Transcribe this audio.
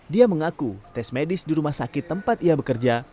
dia mengaku tes medis di rumah sakit tempat ia bekerja